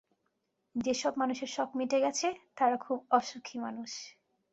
যে সব মানুষের শখ মিটে গেছে, তারা খুব অসুখী মানুষ।